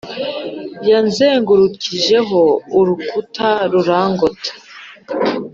yanzengurukijeho urukuta rurangota,